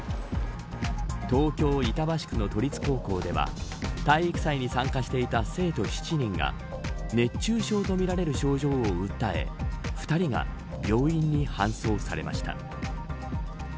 東京、板橋区の都立高校では体育祭に参加していた生徒７人が熱中症とみられる症状を訴え２人が病院に搬送されました。